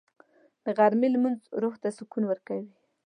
د غرمې لمونځ روح ته سکون ورکوي